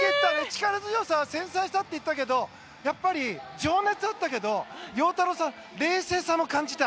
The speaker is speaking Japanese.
力強さ、繊細さって言ったけどやっぱり情熱があったけど陽太郎さん、冷静さも感じた。